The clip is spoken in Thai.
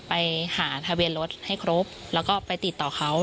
ไปหาทะเบียนรถให้ครบแล้วก็ไปติดต่อเขา